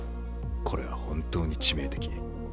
これは本当に致命的。